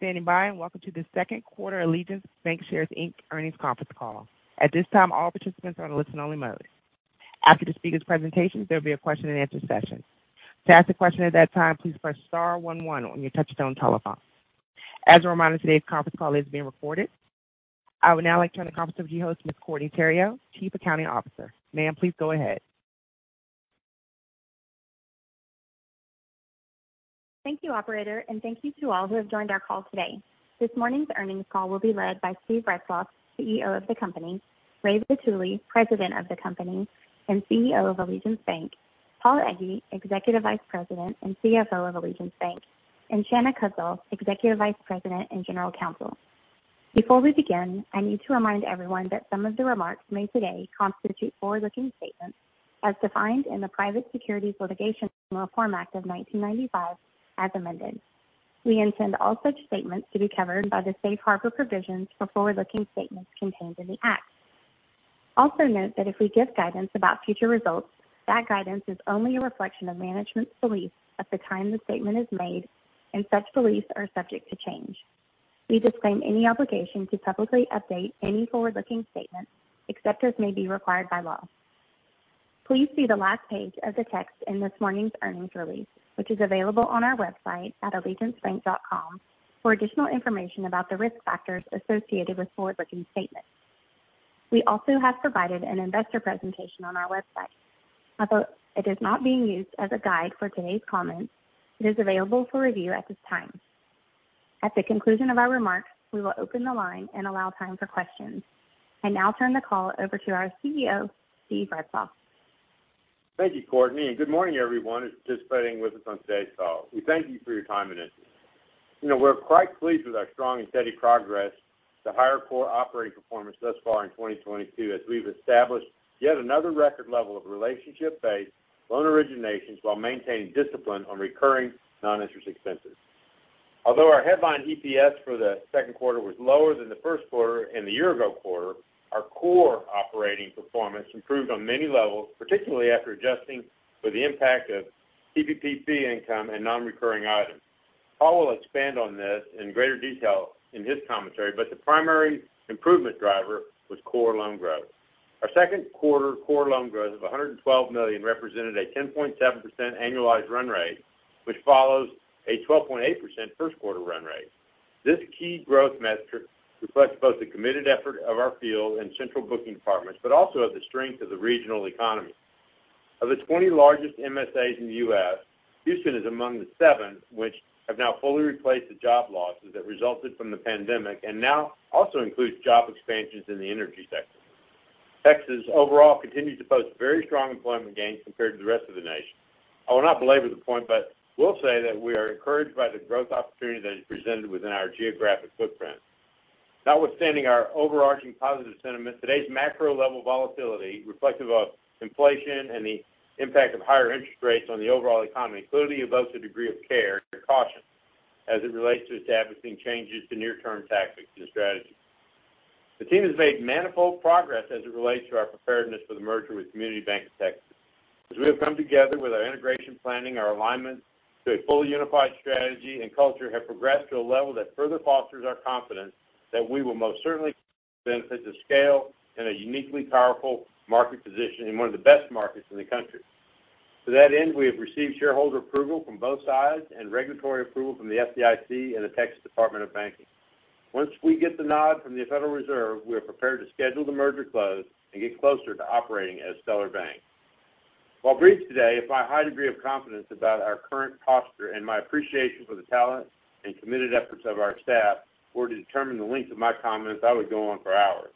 Thank you for standing by, and welcome to the second quarter Allegiance Bancshares, Inc. earnings conference call. At this time, all participants are on a listen only mode. After the speaker's presentations, there'll be a question and answer session. To ask a question at that time, please press star one one on your touch-tone telephone. As a reminder, today's conference call is being recorded. I would now like to turn the conference over to your host, Ms. Courtney Theriot, Chief Accounting Officer. Ma'am, please go ahead. Thank you, operator, and thank you to all who have joined our call today. This morning's earnings call will be led by Steven Retzloff, CEO of the company, Ramon Vitulli, President of the company and CEO of Allegiance Bank, Paul Egge, Executive Vice President and CFO of Allegiance Bank, and Shanna Kuzdzal, Executive Vice President and General Counsel. Before we begin, I need to remind everyone that some of the remarks made today constitute forward-looking statements as defined in the Private Securities Litigation Reform Act of 1995 as amended. We intend all such statements to be covered by the safe harbor provisions for forward-looking statements contained in the act. Also note that if we give guidance about future results, that guidance is only a reflection of management's belief at the time the statement is made, and such beliefs are subject to change. We disclaim any obligation to publicly update any forward-looking statements except as may be required by law. Please see the last page of the text in this morning's earnings release, which is available on our website at allegiancebank.com, for additional information about the risk factors associated with forward-looking statements. We also have provided an investor presentation on our website. Although it is not being used as a guide for today's comments, it is available for review at this time. At the conclusion of our remarks, we will open the line and allow time for questions. I now turn the call over to our CEO, Steve Retzloff. Thank you, Courtney, and good morning everyone who's participating with us on today's call. We thank you for your time and interest. You know, we're quite pleased with our strong and steady progress to higher core operating performance thus far in 2022, as we've established yet another record level of relationship base, loan originations, while maintaining discipline on recurring non-interest expenses. Although our headline EPS for the second quarter was lower than the first quarter and the year ago quarter, our core operating performance improved on many levels, particularly after adjusting for the impact of PPP income and non-recurring items. Paul will expand on this in greater detail in his commentary, but the primary improvement driver was core loan growth. Our second quarter core loan growth of $112 million represented a 10.7% annualized run rate, which follows a 12.8% first quarter run rate. This key growth metric reflects both the committed effort of our field and central booking departments, but also of the strength of the regional economy. Of the 20 largest MSAs in the U.S., Houston is among the seven which have now fully replaced the job losses that resulted from the pandemic, and now also includes job expansions in the energy sector. Texas overall continued to post very strong employment gains compared to the rest of the nation. I will not belabor the point, but will say that we are encouraged by the growth opportunity that is presented within our geographic footprint. Notwithstanding our overarching positive sentiment, today's macro level volatility reflective of inflation and the impact of higher interest rates on the overall economy clearly above the degree of care and caution as it relates to establishing changes to near-term tactics and strategy. The team has made manifold progress as it relates to our preparedness for the merger with CommunityBank of Texas, N.A. As we have come together with our integration planning, our alignment to a fully unified strategy and culture have progressed to a level that further fosters our confidence that we will most certainly benefit the scale in a uniquely powerful market position in one of the best markets in the country. To that end, we have received shareholder approval from both sides and regulatory approval from the FDIC and the Texas Department of Banking. Once we get the nod from the Federal Reserve, we are prepared to schedule the merger close and get closer to operating as Stellar Bank. While brief today, if my high degree of confidence about our current posture and my appreciation for the talent and committed efforts of our staff were to determine the length of my comments, I would go on for hours.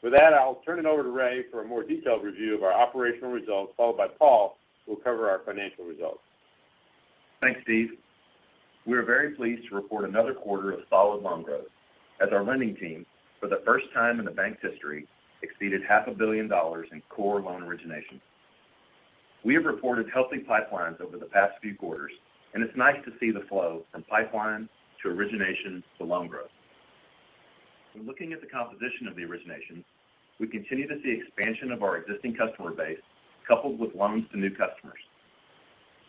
For that, I'll turn it over to Ray for a more detailed review of our operational results, followed by Paul, who will cover our financial results. Thanks, Steve. We are very pleased to report another quarter of solid loan growth as our lending team, for the first time in the bank's history, exceeded half a billion dollars in core loan originations. We have reported healthy pipelines over the past few quarters, and it's nice to see the flow from pipeline to origination to loan growth. When looking at the composition of the originations, we continue to see expansion of our existing customer base coupled with loans to new customers.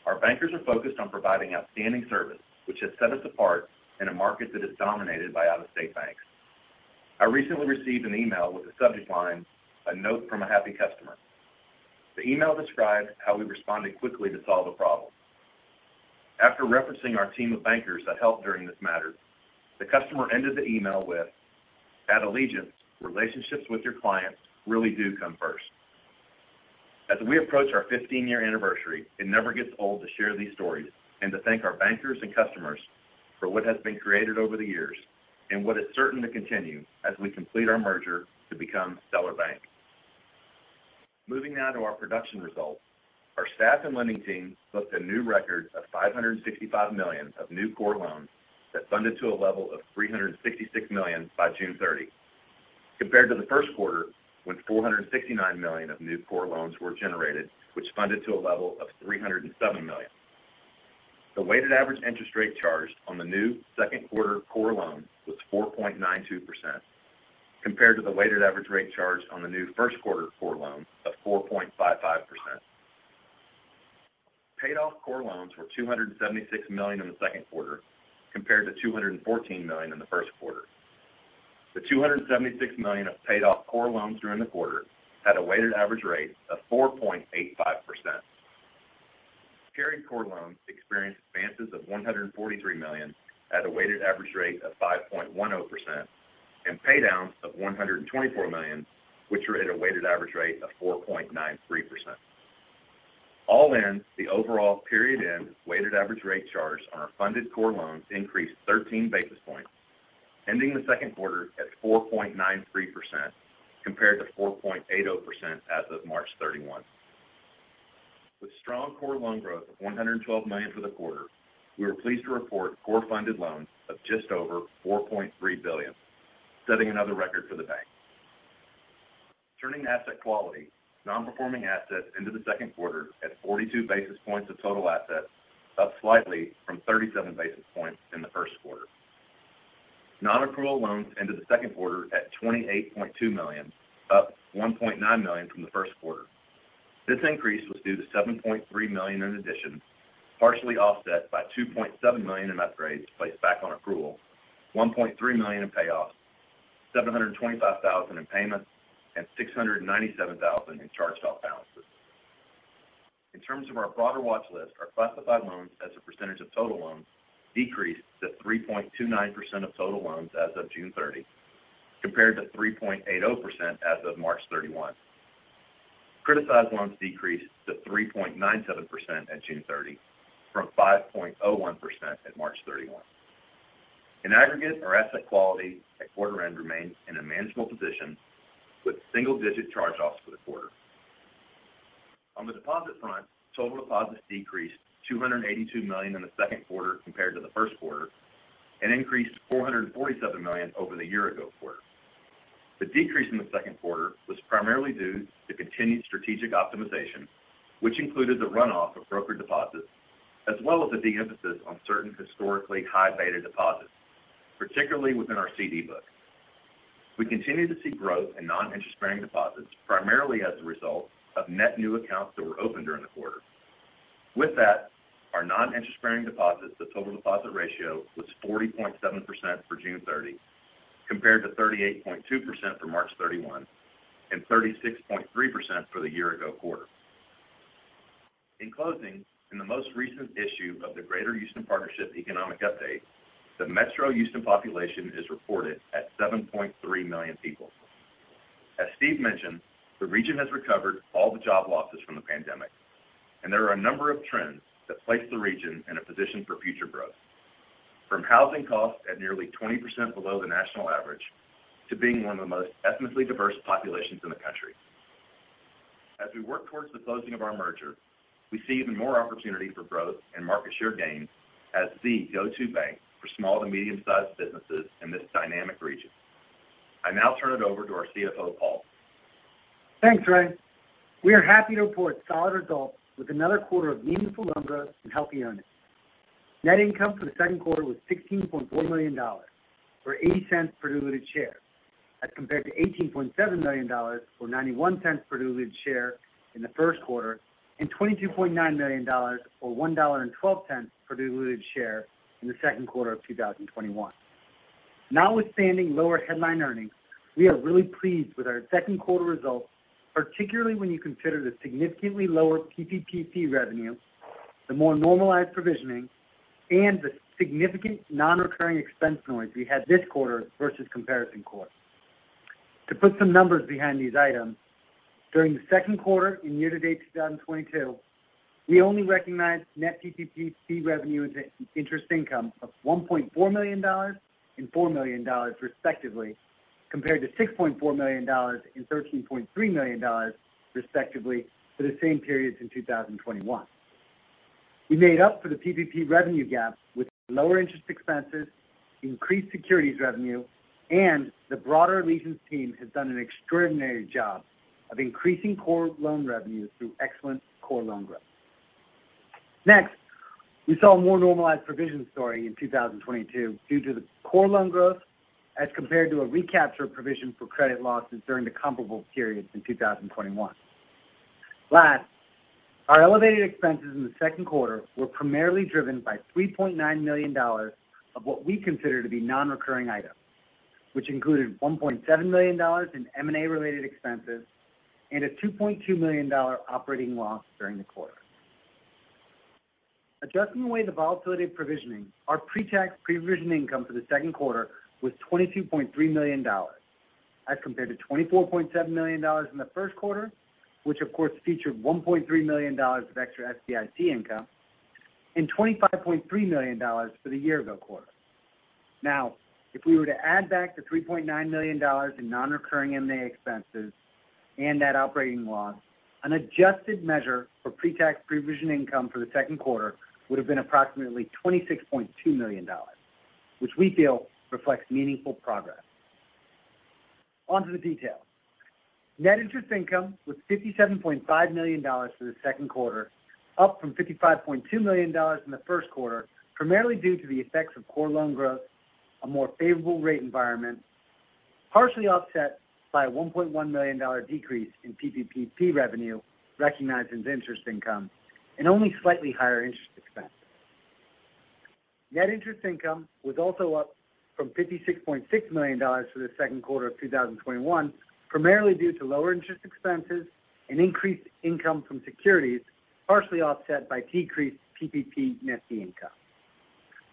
Our bankers are focused on providing outstanding service, which has set us apart in a market that is dominated by out-of-state banks. I recently received an email with the subject line, A Note from a Happy Customer. The email described how we responded quickly to solve a problem. After referencing our team of bankers that helped during this matter, the customer ended the email with, "At Allegiance, relationships with your clients really do come first." As we approach our 15-year anniversary, it never gets old to share these stories and to thank our bankers and customers for what has been created over the years and what is certain to continue as we complete our merger to become Stellar Bank. Moving now to our production results. Our staff and lending teams booked a new record of $565 million of new core loans that funded to a level of $366 million by June 30. Compared to the first quarter, when $469 million of new core loans were generated, which funded to a level of $307 million. The weighted average interest rate charged on the new second quarter core loan was 4.92%, compared to the weighted average rate charged on the new first quarter core loan of 4.55%. Paid off core loans were $276 million in the second quarter compared to $214 million in the first quarter. The $276 million of paid off core loans during the quarter had a weighted average rate of 4.85%. Carried core loans experienced advances of $143 million at a weighted average rate of 5.10% and pay downs of $124 million, which were at a weighted average rate of 4.93%. All in, the overall period end weighted average rate charged on our funded core loans increased 13 basis points, ending the second quarter at 4.93% compared to 4.80% as of March 31. With strong core loan growth of $112 million for the quarter, we were pleased to report core funded loans of just over $4.3 billion, setting another record for the bank. Turning to asset quality, non-performing assets ended the second quarter at 42 basis points of total assets, up slightly from 37 basis points in the first quarter. Non-accrual loans ended the second quarter at $28.2 million, up $1.9 million from the first quarter. This increase was due to $7.3 million in additions, partially offset by $2.7 million in upgrades placed back on accrual, $1.3 million in payoffs, $725,000 in payments, and $697,000 in charged-off balances. In terms of our broader watch list, our classified loans as a percentage of total loans decreased to 3.29% of total loans as of June 30, compared to 3.80% as of March 31. Criticized loans decreased to 3.97% at June 30 from 5.01% at March 31. In aggregate, our asset quality at quarter end remains in a manageable position with single-digit charge-offs for the quarter. On the deposit front, total deposits decreased $282 million in the second quarter compared to the first quarter and increased $447 million over the year ago quarter. The decrease in the second quarter was primarily due to continued strategic optimization, which included the runoff of broker deposits as well as the de-emphasis on certain historically high beta deposits, particularly within our CD book. We continue to see growth in non-interest bearing deposits primarily as a result of net new accounts that were opened during the quarter. With that, our non-interest bearing deposits to total deposit ratio was 40.7% for June 30 compared to 38.2% for March 31 and 36.3% for the year ago quarter. In closing, in the most recent issue of the Greater Houston Partnership Economic Update, the Metro Houston population is reported at 7.3 million people. As Steve mentioned, the region has recovered all the job losses from the pandemic, and there are a number of trends that place the region in a position for future growth, from housing costs at nearly 20% below the national average to being one of the most ethnically diverse populations in the country. As we work towards the closing of our merger, we see even more opportunity for growth and market share gains as the go-to bank for small to medium-sized businesses in this dynamic region. I now turn it over to our CFO, Paul. Thanks, Ray. We are happy to report solid results with another quarter of meaningful numbers and healthy earnings. Net income for the second quarter was $16.4 million, or $0.80 per diluted share as compared to $18.7 million or $0.91 per diluted share in the first quarter and $22.9 million or $1.12 per diluted share in the second quarter of 2021. Notwithstanding lower headline earnings, we are really pleased with our second quarter results, particularly when you consider the significantly lower PPP revenue, the more normalized provisioning, and the significant non-recurring expense noise we had this quarter versus comparison quarter. To put some numbers behind these items, during the second quarter year-to-date 2022, we only recognized net PPP revenue as interest income of $1.4 million and $4 million respectively, compared to $6.4 million and $13.3 million respectively for the same periods in 2021. We made up for the PPP revenue gap with lower interest expenses, increased securities revenue, and the broader Allegiance team has done an extraordinary job of increasing core loan revenues through excellent core loan growth. Next, we saw a more normalized provision story in 2022 due to the core loan growth as compared to a recapture provision for credit losses during the comparable periods in 2021. Last, our elevated expenses in the second quarter were primarily driven by $3.9 million of what we consider to be non-recurring items, which included $1.7 million in M&A related expenses and a $2.2 million operating loss during the quarter. Adjusting away the volatility of provisioning, our pre-tax pre-provision income for the second quarter was $22.3 million as compared to $24.7 million in the first quarter, which of course featured $1.3 million of extra SBIC income and $25.3 million for the year ago quarter. Now, if we were to add back the $3.9 million in non-recurring M&A expenses and that operating loss, an adjusted measure for pre-tax pre-provision income for the second quarter would have been approximately $26.2 million, which we feel reflects meaningful progress. On to the details. Net interest income was $57.5 million for the second quarter, up from $55.2 million in the first quarter, primarily due to the effects of core loan growth, a more favorable rate environment, partially offset by a $1.1 million decrease in PPP revenue recognized as interest income and only slightly higher interest expense. Net interest income was also up from $56.6 million for the second quarter of 2021, primarily due to lower interest expenses and increased income from securities, partially offset by decreased PPP net fee income.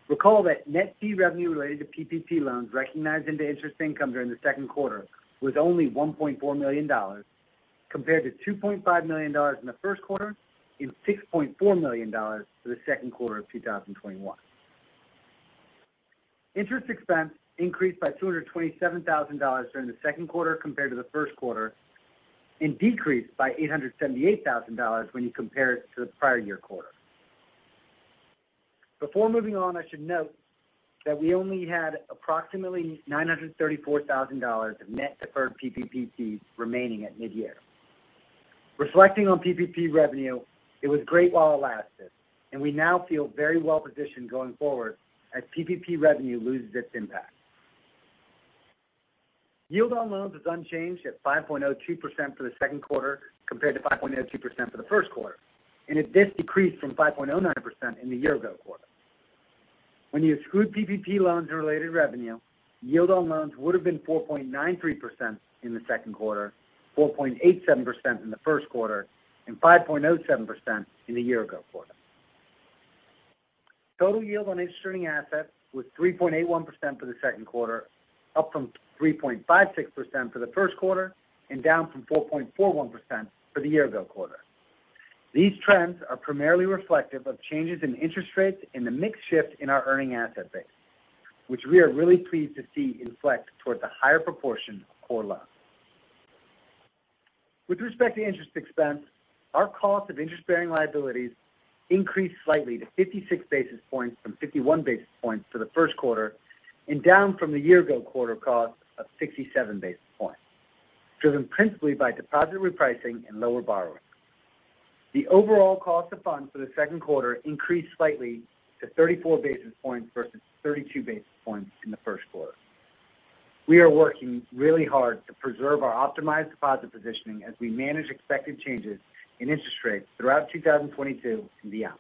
Recall that net fee revenue related to PPP loans recognized into interest income during the second quarter was only $1.4 million compared to $2.5 million in the first quarter and $6.4 million for the second quarter of 2021. Interest expense increased by $227 thousand during the second quarter compared to the first quarter and decreased by $878 thousand when you compare it to the prior year quarter. Before moving on, I should note that we only had approximately $934 thousand of net deferred PPP fees remaining at mid-year. Reflecting on PPP revenue, it was great while it lasted, and we now feel very well positioned going forward as PPP revenue loses its impact. Yield on loans is unchanged at 5.02% for the second quarter compared to 5.02% for the first quarter, and it did decrease from 5.09% in the year ago quarter. When you exclude PPP loans and related revenue, yield on loans would have been 4.93% in the second quarter, 4.87% in the first quarter, and 5.07% in the year ago quarter. Total yield on interest-earning assets was 3.81% for the second quarter, up from 3.56% for the first quarter and down from 4.41% for the year ago quarter. These trends are primarily reflective of changes in interest rates and the mix shift in our earning asset base, which we are really pleased to see inflect towards a higher proportion of core loans. With respect to interest expense, our cost of interest-bearing liabilities increased slightly to 56 basis points from 51 basis points for the first quarter and down from the year ago quarter cost of 67 basis points, driven principally by deposit repricing and lower borrowing. The overall cost of funds for the second quarter increased slightly to 34 basis points versus 32 basis points in the first quarter. We are working really hard to preserve our optimized deposit positioning as we manage expected changes in interest rates throughout 2022 and beyond.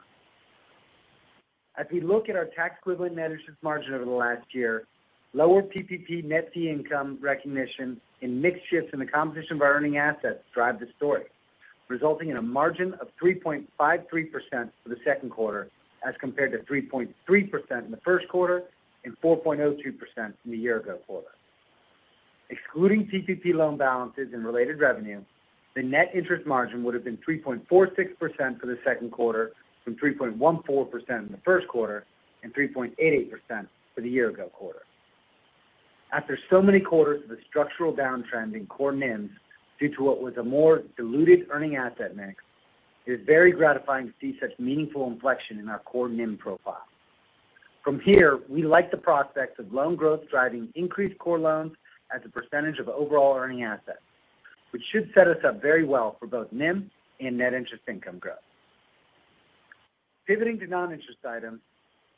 As we look at our tax equivalent net interest margin over the last year, lower PPP net fee income recognition and mix shifts in the composition of our earning assets drive the story, resulting in a margin of 3.53% for the second quarter as compared to 3.3% in the first quarter and 4.02% from the year ago quarter. Excluding PPP loan balances and related revenue, the net interest margin would have been 3.46% for the second quarter from 3.14% in the first quarter and 3.88% for the year ago quarter. After so many quarters of a structural downtrend in core NIMs due to what was a more diluted earning asset mix, it is very gratifying to see such meaningful inflection in our core NIM profile. From here, we like the prospects of loan growth driving increased core loans as a percentage of overall earning assets, which should set us up very well for both NIM and net interest income growth. Pivoting to non-interest items,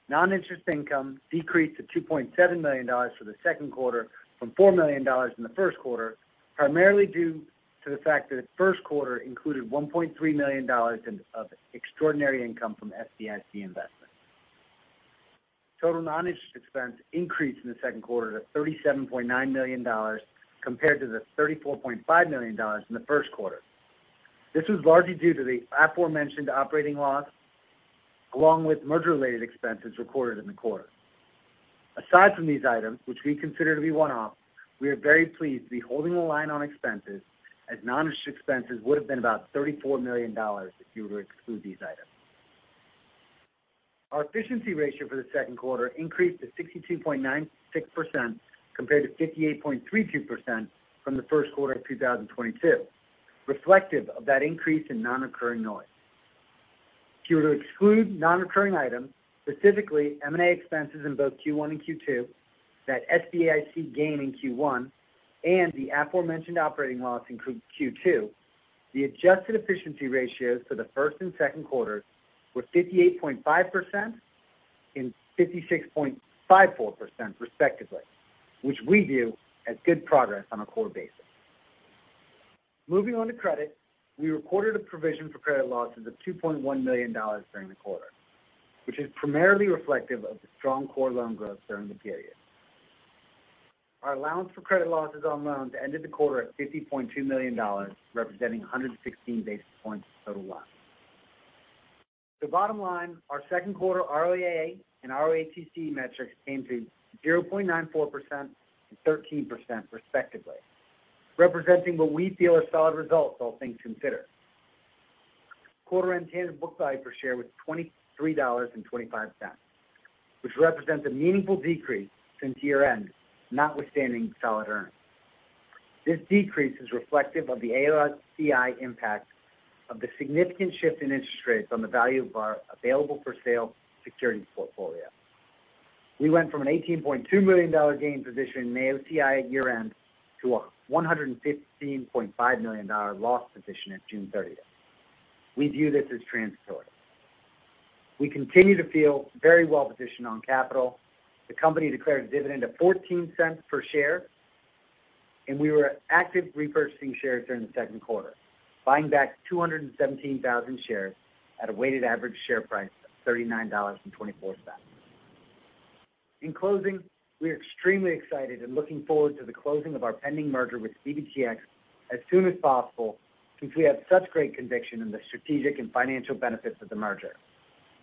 non-interest income decreased to $2.7 million for the second quarter from $4 million in the first quarter, primarily due to the fact that first quarter included $1.3 million of extraordinary income from SBIC investments. Total non-interest expense increased in the second quarter to $37.9 million compared to the $34.5 million in the first quarter. This was largely due to the aforementioned operating loss along with merger related expenses recorded in the quarter. Aside from these items, which we consider to be one-off, we are very pleased to be holding the line on expenses as non-interest expenses would have been about $34 million if you were to exclude these items. Our efficiency ratio for the second quarter increased to 62.96% compared to 58.32% from the first quarter of 2022, reflective of that increase in non-recurring noise. If you were to exclude non-recurring items, specifically M&A expenses in both Q1 and Q2, that SBIC gain in Q1 and the aforementioned operating loss in Q2, the adjusted efficiency ratios for the first and second quarters were 58.5% and 56.54% respectively, which we view as good progress on a core basis. Moving on to credit, we recorded a provision for credit losses of $2.1 million during the quarter, which is primarily reflective of the strong core loan growth during the period. Our allowance for credit losses on loans ended the quarter at $50.2 million, representing 116 basis points total loans. The bottom line, our second quarter ROAA and ROATCE metrics came to 0.94% and 13% respectively, representing what we feel are solid results, all things considered. Quarter-end tangible book value per share was $23.25, which represents a meaningful decrease since year-end, notwithstanding solid earnings. This decrease is reflective of the AOCI impact of the significant shift in interest rates on the value of our available-for-sale securities portfolio. We went from a $18.2 million gain position in the AOCI at year-end to a $115.5 million loss position at June 30. We view this as transitory. We continue to feel very well positioned on capital. The company declared a dividend of $0.14 per share, and we were actively repurchasing shares during the second quarter, buying back 217,000 shares at a weighted average share price of $39.24. In closing, we're extremely excited and looking forward to the closing of our pending merger with CBTX as soon as possible since we have such great conviction in the strategic and financial benefits of the merger.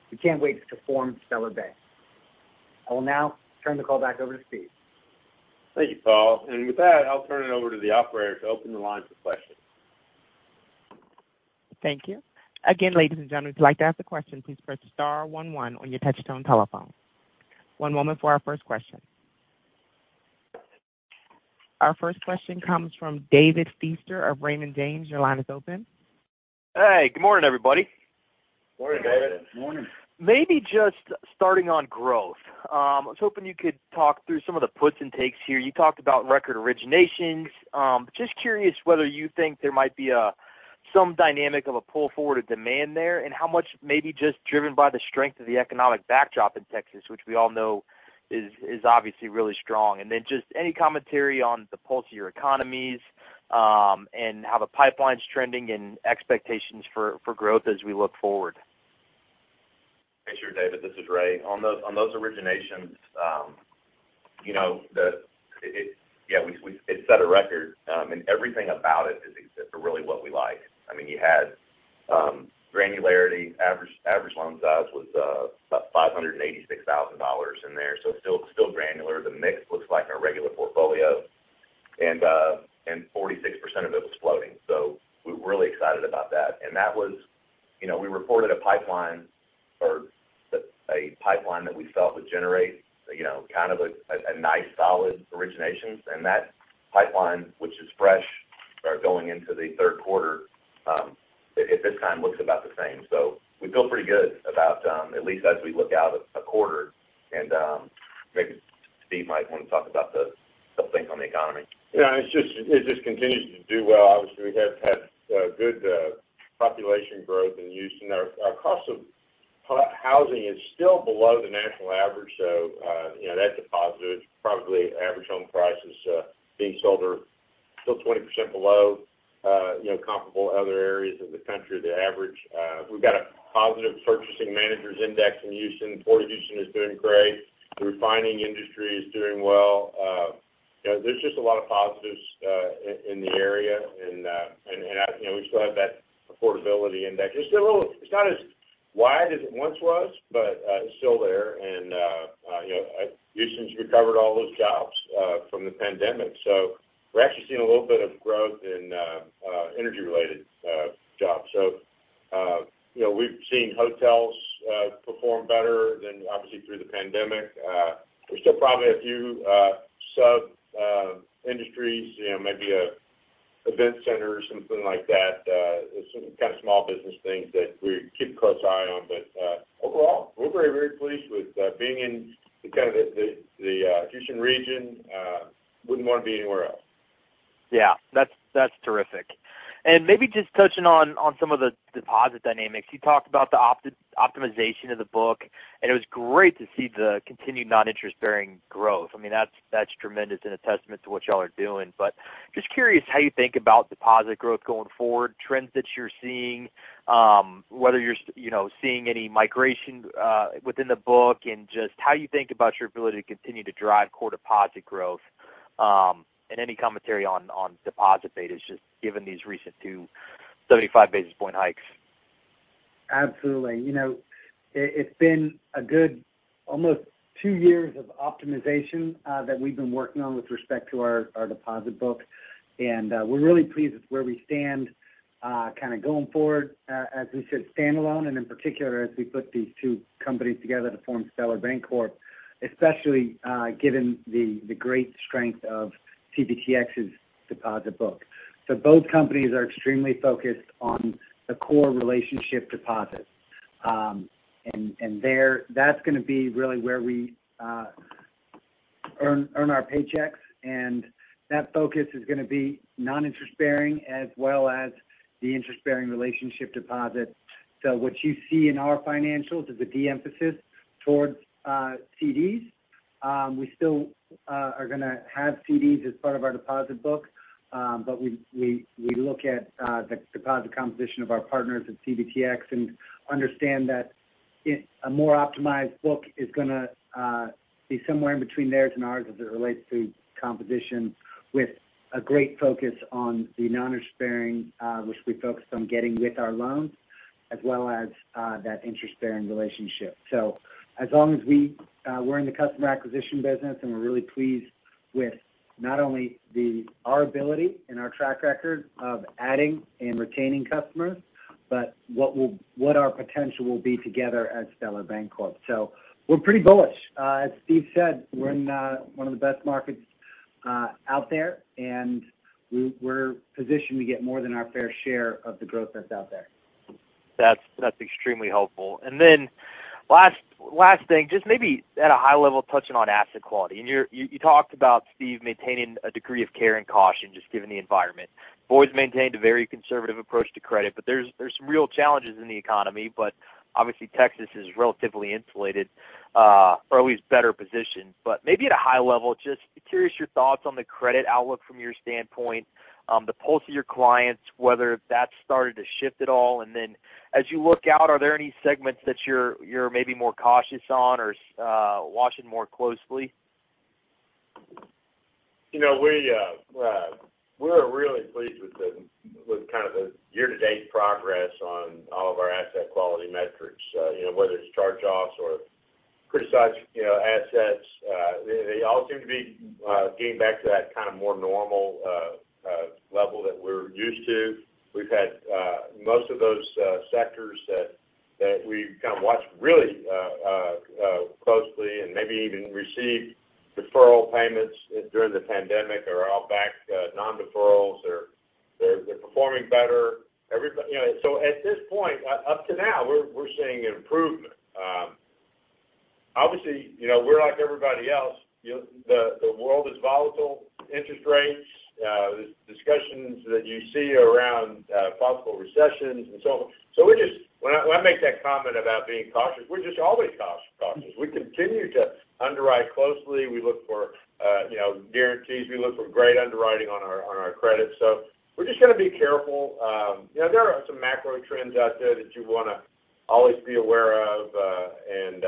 We can't wait to form Stellar Bank. I will now turn the call back over to Steve. Thank you, Paul. With that, I'll turn it over to the operator to open the lines for questions. Thank you. Again, ladies and gentlemen, if you'd like to ask a question, please press star one one on your touchtone telephone. One moment for our first question. Our first question comes from David Feaster of Raymond James. Your line is open. Hey, good morning, everybody. Morning, David. Morning. Maybe just starting on growth. I was hoping you could talk through some of the puts and takes here. You talked about record originations. Just curious whether you think there might be some dynamic of a pull forward, a demand there, and how much may be just driven by the strength of the economic backdrop in Texas, which we all know is obviously really strong. Just any commentary on the pulse of your economies, and how the pipeline's trending and expectations for growth as we look forward. Sure, David, this is Ray. On those originations, you know, it set a record, and everything about it is really what we like. I mean, you had granularity. Average loan size was about $586,000 in there, so still granular. The mix looks like our regular portfolio, and 46% of it was floating. So we're really excited about that. That was, you know, we reported a pipeline that we felt would generate, you know, kind of a nice solid originations. That pipeline, which is fresh, are going into the third quarter at this time, looks about the same. So we feel pretty good about at least as we look out a quarter. Maybe Steve might want to talk about some things on the economy. Yeah. It just continues to do well. Obviously, we have had good population growth in Houston. Our cost of housing is still below the national average, so you know, that's a positive. Probably average home prices being sold are still 20% below you know, comparable other areas of the country, the average. We've got a positive Purchasing Managers' Index in Houston. Port of Houston is doing great. The refining industry is doing well. You know, there's just a lot of positives in the area. You know, we still have that affordability index. It's still a little. It's not as wide as it once was, but it's still there. You know, Houston's recovered all those jobs from the pandemic. We're actually seeing a little bit of growth in energy-related jobs. You know, we've seen hotels perform better than obviously through the pandemic. There's still probably a few industries, you know, maybe event centers, something like that, some kind of small business things that we keep a close eye on. Overall, we're very, very pleased with being in the kind of the Houston region. Wouldn't wanna be anywhere else. Yeah. That's terrific. Maybe just touching on some of the deposit dynamics. You talked about the optimization of the book, and it was great to see the continued non-interest-bearing growth. I mean, that's tremendous and a testament to what y'all are doing. Just curious how you think about deposit growth going forward, trends that you're seeing, whether you're you know, seeing any migration within the book, and just how you think about your ability to continue to drive core deposit growth, and any commentary on deposit betas, just given these recent 275 basis point hikes. Absolutely. You know, it's been a good almost two years of optimization that we've been working on with respect to our deposit book. We're really pleased with where we stand kinda going forward as we should standalone, and in particular, as we put these two companies together to form Stellar Bancorp, Inc., especially given the great strength of CBTX's deposit book. Both companies are extremely focused on the core relationship deposits. There, that's gonna be really where we earn our paychecks, and that focus is gonna be non-interest-bearing as well as the interest-bearing relationship deposits. What you see in our financials is a de-emphasis towards CDs. We still are gonna have CDs as part of our deposit book, but we look at the deposit composition of our partners at CBTX and understand that a more optimized book is gonna be somewhere in between theirs and ours as it relates to composition, with a great focus on the non-interest-bearing, which we focused on getting with our loans, as well as that interest-bearing relationship. We're in the customer acquisition business, and we're really pleased with not only our ability and our track record of adding and retaining customers, but what our potential will be together as Stellar Bancorp, Inc. We're pretty bullish. As Steve said, we're in one of the best markets out there, and we're positioned to get more than our fair share of the growth that's out there. That's extremely helpful. Last thing, just maybe at a high level touching on asset quality. You talked about, Steve, maintaining a degree of care and caution just given the environment. Boyd maintained a very conservative approach to credit, but there's some real challenges in the economy, but obviously Texas is relatively insulated, or at least better positioned. Maybe at a high level, just curious your thoughts on the credit outlook from your standpoint, the pulse of your clients, whether that's started to shift at all. As you look out, are there any segments that you're maybe more cautious on or, watching more closely? You know, we're really pleased with kind of the year-to-date progress on all of our asset quality metrics. You know, whether it's charge-offs or criticized assets, they all seem to be getting back to that kind of more normal level that we're used to. We've had most of those sectors that we've kind of watched really closely and maybe even received deferral payments during the pandemic are all back non-deferrals or they're performing better. You know, at this point, up to now, we're seeing improvement. Obviously, you know, we're like everybody else. You know, the world is volatile, interest rates, discussions that you see around possible recessions and so on. When I make that comment about being cautious, we're just always cautious. We continue to underwrite closely. We look for, you know, guarantees. We look for great underwriting on our credit. We're just gonna be careful. You know, there are some macro trends out there that you wanna always be aware of, and,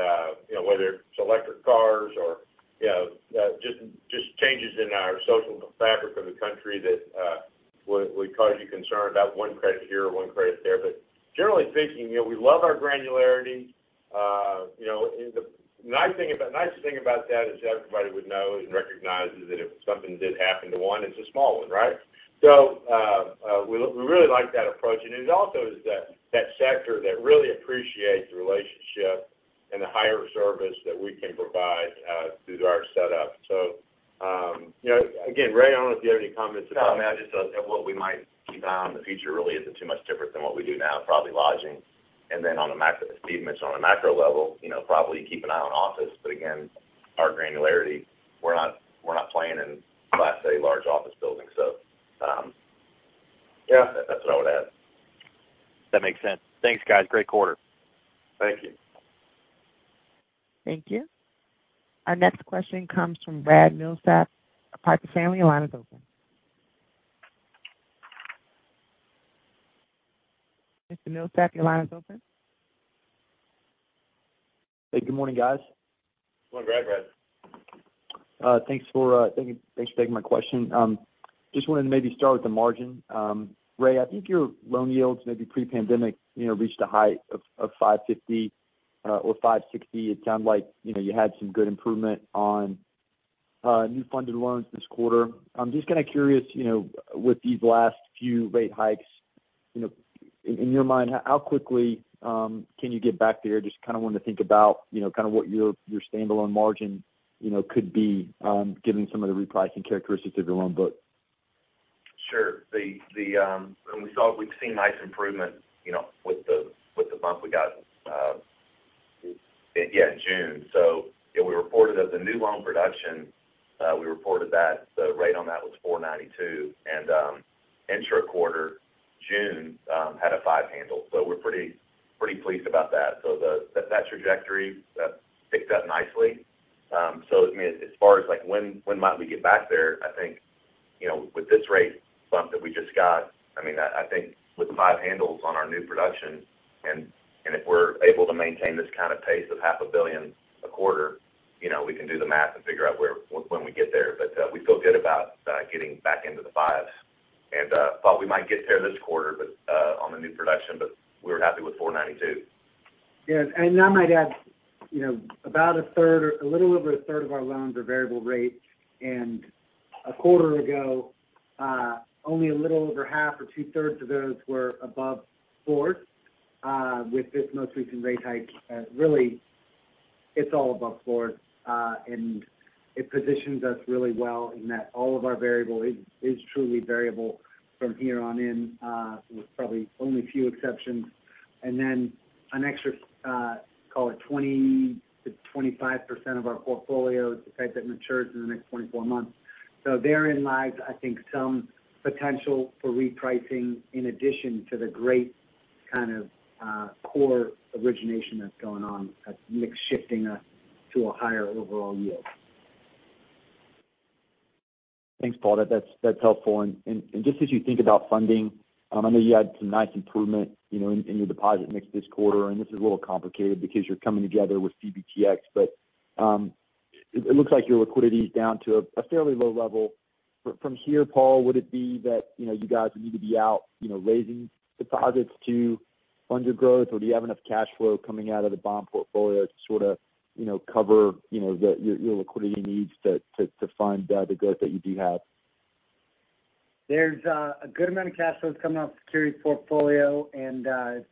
you know, whether it's electric cars or, you know, just changes in our social fabric of the country that, would cause you concern about one credit here or one credit there. But generally speaking, you know, we love our granularity. You know, and the nice thing about that is everybody would know and recognize is that if something did happen to one, it's a small one, right? We really like that approach. It also is that sector that really appreciates the relationship and the higher service that we can provide through our setup. You know, again, Ray, I don't know if you have any comments about that. No, I mean, I just thought what we might keep an eye on in the future really isn't too much different than what we do now, probably lodging. Then on the macro level, as Steve mentioned, you know, probably keep an eye on office. But again, our granularity, we're not playing in class A large office buildings. So, Yeah That's what I would add. That makes sense. Thanks, guys. Great quarter. Thank you. Thank you. Our next question comes from Brad Milsaps of Piper Sandler. Your line is open. Mr. Milsaps, your line is open. Hey, good morning, guys. Good morning, Brad. Good morning, Brad. Thanks for taking my question. Just wanted to maybe start with the margin. Ray, I think your loan yields maybe pre-pandemic, you know, reached a high of 5.50% or 5.60%. It sounded like, you know, you had some good improvement on new funded loans this quarter. I'm just kind of curious, you know, with these last few rate hikes, you know, in your mind, how quickly can you get back there? Just kind of wanted to think about, you know, kind of what your standalone margin, you know, could be, given some of the repricing characteristics of your loan book. Sure. We've seen nice improvement, you know, with the bump we got in June. You know, we reported that the new loan production, the rate on that was 4.92%. In the quarter, June had a five handle. We're pretty pleased about that. That trajectory picked up nicely. I mean, as far as like when we might get back there, I think, you know, with this rate bump that we just got, I think with the five handles on our new production and if we're able to maintain this kind of pace of $ half a billion a quarter, you know, we can do the math and figure out when we get there. We feel good about getting back into the fives. Thought we might get there this quarter, but on the new production, we were happy with 4.92%. Yes. I might add, you know, about a third or a little over a third of our loans are variable rates, and a quarter ago, only a little over half or two-thirds of those were above 4%. With this most recent rate hike, really it's all above 4%. It positions us really well in that all of our variable is truly variable from here on in, with probably only a few exceptions. Then an extra, call it 20%-25% of our portfolio is the type that matures in the next 24 months. Therein lies, I think, some potential for repricing in addition to the great kind of core origination that's going on that's mix shifting us to a higher overall yield. Thanks, Paul. That's helpful. Just as you think about funding, I know you had some nice improvement, you know, in your deposit mix this quarter, and this is a little complicated because you're coming together with CBTX, but it looks like your liquidity is down to a fairly low level. From here, Paul, would it be that, you know, you guys would need to be out, you know, raising deposits to fund your growth? Do you have enough cash flow coming out of the bond portfolio to sort of, you know, cover your liquidity needs to fund the growth that you do have? There's a good amount of cash flow that's coming off the securities portfolio and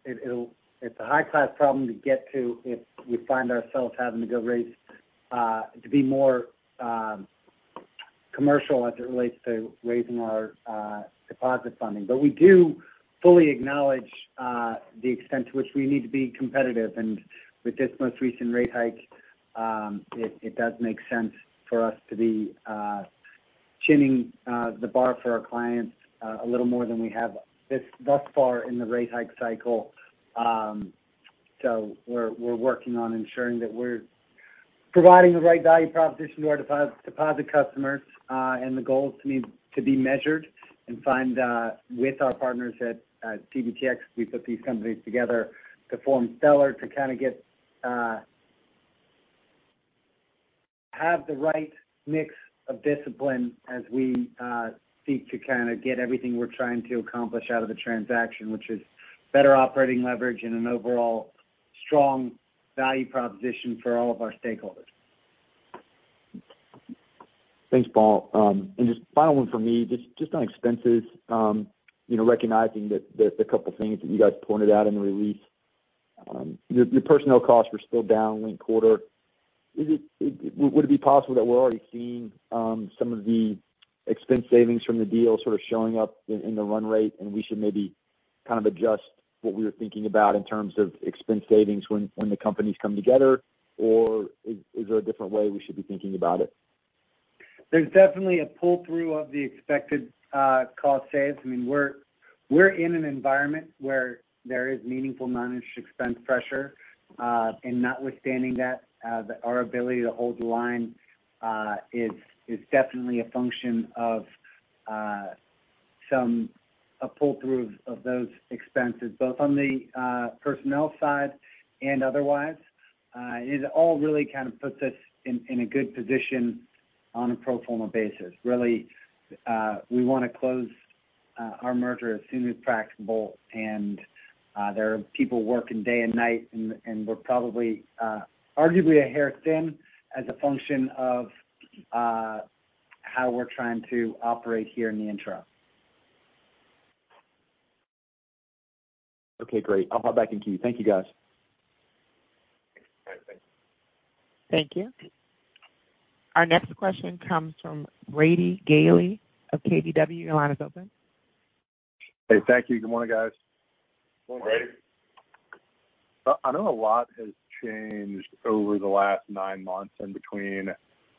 it's a high-class problem to get to if we find ourselves having to go raise to be more. Commercial as it relates to raising our deposit funding. We do fully acknowledge the extent to which we need to be competitive. With this most recent rate hike, it does make sense for us to be raising the bar for our clients a little more than we have thus far in the rate hike cycle. We're working on ensuring that we're providing the right value proposition to our deposit customers, and the goal is to be measured and find with our partners at CBTX. We put these companies together to form Stellar to have the right mix of discipline as we seek to kind of get everything we're trying to accomplish out of the transaction, which is better operating leverage and an overall strong value proposition for all of our stakeholders. Thanks, Paul. Just final one for me, just on expenses. You know, recognizing that there's a couple things that you guys pointed out in the release. Your personnel costs were still down linked quarter. Would it be possible that we're already seeing some of the expense savings from the deal sort of showing up in the run rate, and we should maybe kind of adjust what we were thinking about in terms of expense savings when the companies come together? Or is there a different way we should be thinking about it? There's definitely a pull-through of the expected cost savings. I mean, we're in an environment where there is meaningful managed expense pressure. Notwithstanding that, our ability to hold the line is definitely a function of a pull-through of those expenses, both on the personnel side and otherwise. It all really kind of puts us in a good position on a pro forma basis. Really, we wanna close our merger as soon as practicable. There are people working day and night and we're probably arguably a hair thin as a function of how we're trying to operate here in the interim. Okay, great. I'll hop back in queue. Thank you, guys. All right. Thanks. Thank you. Our next question comes from Brady Gailey of KBW. Your line is open. Hey. Thank you. Good morning, guys. Good morning. Morning. I know a lot has changed over the last nine months in between,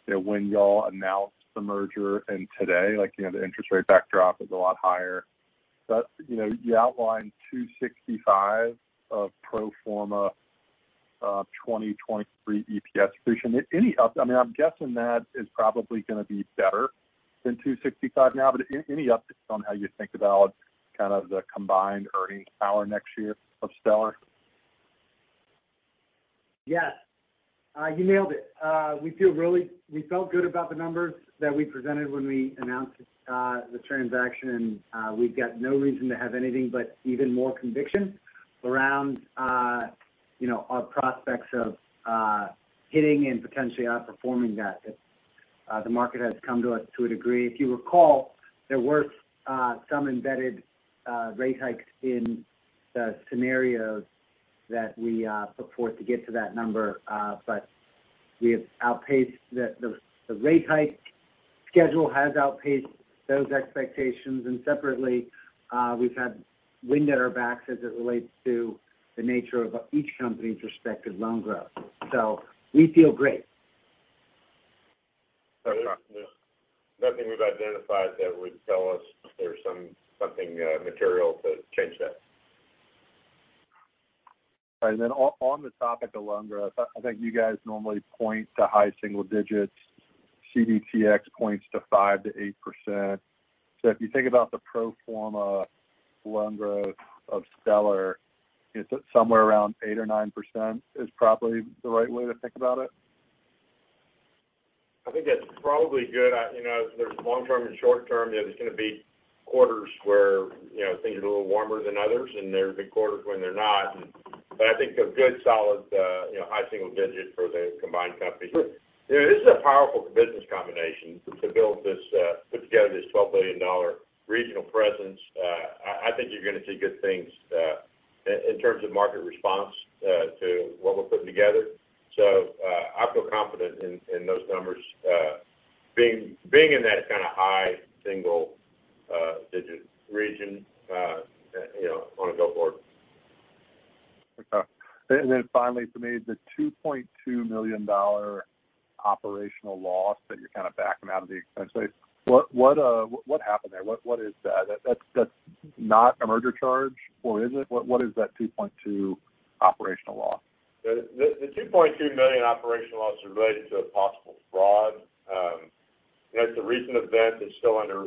you know, when y'all announced the merger and today. Like, you know, the interest rate backdrop is a lot higher. You know, you outlined 265 of pro forma 2023 EPS. I mean, I'm guessing that is probably gonna be better than 265 now. Any updates on how you think about kind of the combined earnings power next year of Stellar? Yes. You nailed it. We felt good about the numbers that we presented when we announced the transaction. We've got no reason to have anything but even more conviction around you know, our prospects of hitting and potentially outperforming that. The market has come to us to a degree. If you recall, there were some embedded rate hikes in the scenario that we put forth to get to that number. We have outpaced the rate hike schedule has outpaced those expectations. Separately, we've had wind at our backs as it relates to the nature of each company's respective loan growth. We feel great. Okay. Nothing we've identified that would tell us there's something material to change that. All right. On the topic of loan growth, I think you guys normally point to high single digits. CBTX points to 5%-8%. If you think about the pro forma loan growth of Stellar, is it somewhere around 8% or 9% is probably the right way to think about it? I think that's probably good. You know, there's long term and short term. You know, there's gonna be quarters where, you know, things are a little warmer than others, and there'll be quarters when they're not. But I think a good solid, you know, high single digit for the combined company. This is a powerful business combination to build this, put together this $12 billion regional presence. I think you're gonna see good things, in terms of market response, to what we're putting together. I feel confident in those numbers, being in that kind of high single digit region, you know, on a go forward. Okay. Finally for me, the $2.2 million operational loss that you're kind of backing out of the expense base, what happened there? What is that? That's not a merger charge or is it? What is that $2.2 operational loss? The $2.2 million operational loss is related to a possible fraud. It's a recent event that's still under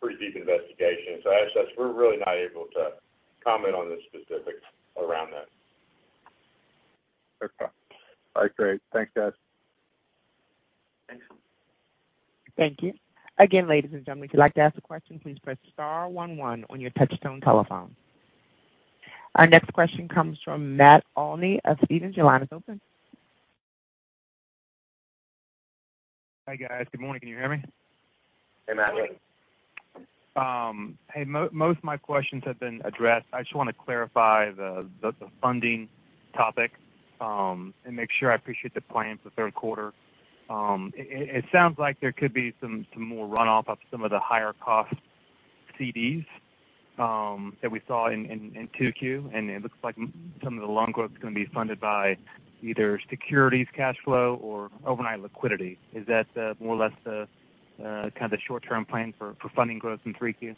pretty deep investigation. Actually, we're really not able to comment on the specifics around that. Okay. All right, great. Thanks, guys. Thanks. Thank you. Again, ladies and gentlemen, if you'd like to ask a question, please press star one one on your touchtone telephone. Our next question comes from Matthew Olney of Stephens. Your line is open. Hi, guys. Good morning. Can you hear me? Hey, Matt. Hey, most of my questions have been addressed. I just wanna clarify the funding topic and make sure I appreciate the plans for third quarter. It sounds like there could be some more runoff of some of the higher cost CDs that we saw in 2Q. It looks like some of the loan growth is gonna be funded by either securities cash flow or overnight liquidity. Is that more or less the kind of short-term plan for funding growth in 3Q?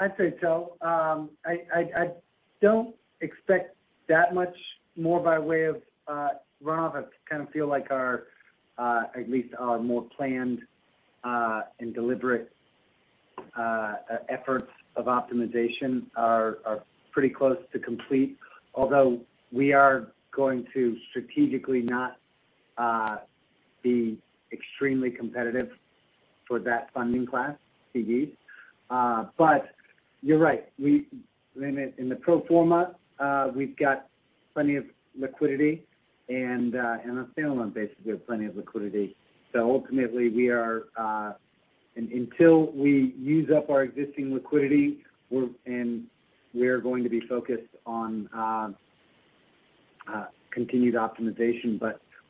I'd say so. I don't expect that much more by way of runoff. I kind of feel like our at least our more planned and deliberate efforts of optimization are pretty close to complete. Although we are going to strategically not be extremely competitive for that funding class, CDs. You're right. In the pro forma, we've got plenty of liquidity and on a standalone basis, we have plenty of liquidity. Ultimately, until we use up our existing liquidity, we're going to be focused on continued optimization.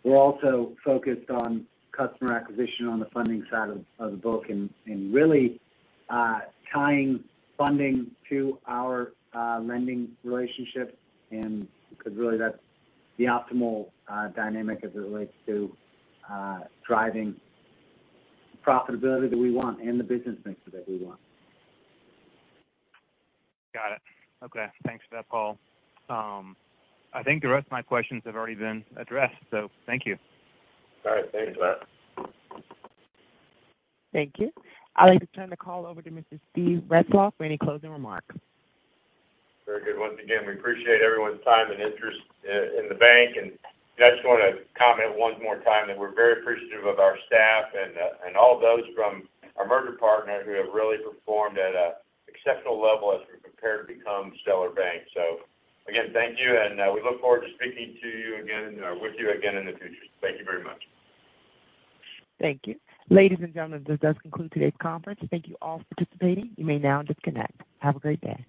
We're also focused on customer acquisition on the funding side of the book and really tying funding to our lending relationships, and because really that's the optimal dynamic as it relates to driving profitability that we want and the business mixture that we want. Got it. Okay. Thanks for that, Paul. I think the rest of my questions have already been addressed, so thank you. All right. Thanks, Matt. Thank you. I'd like to turn the call over to Mr. Steven Retzloff for any closing remarks. Very good. Once again, we appreciate everyone's time and interest in the bank. I just wanna comment one more time that we're very appreciative of our staff and all those from our merger partner who have really performed at an exceptional level as we prepare to become Stellar Bank. Again, thank you, and we look forward to speaking to you again or with you again in the future. Thank you very much. Thank you. Ladies and gentlemen, this does conclude today's conference. Thank you all for participating. You may now disconnect. Have a great day.